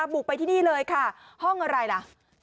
บุกไปที่นี่เลยค่ะห้องอะไรล่ะ